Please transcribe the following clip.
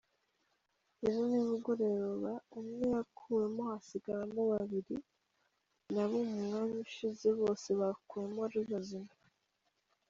Ejo nimugoroba umwe yakuwemo, hasigaramo babiri, nabo mu mwanya ushize bose bakuwemo ari bazima.